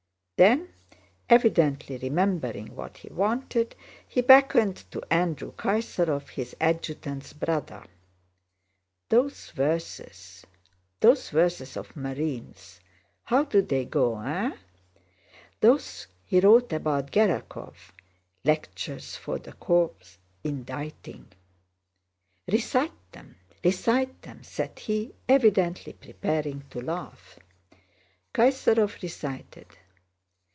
Then, evidently remembering what he wanted, he beckoned to Andrew Kaysárov, his adjutant's brother. "Those verses... those verses of Márin's... how do they go, eh? Those he wrote about Gerákov: 'Lectures for the corps inditing'... Recite them, recite them!" said he, evidently preparing to laugh. Kaysárov recited....